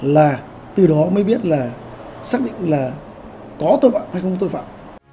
là từ đó mới biết là xác định là có tội phạm hay không có tội phạm